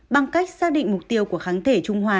bằng cách xác định mục tiêu của kháng thể trung hòa